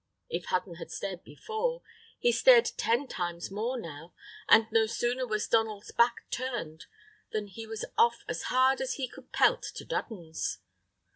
If Hudden had stared before, he stared ten times more now, and no sooner was Donald's back turned, than he was off as hard as he could pelt to Dudden's.